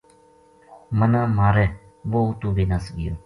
مَنا مارے وہ اُتو بے نَس گیو